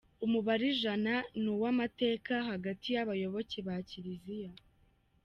Umubare ijana ni uw’amateka hagati ya bayoboke ba kiriziya